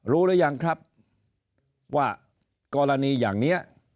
รู้หรือยังครับว่ากรณีอย่างนี้